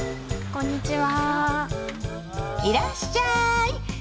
こんにちは。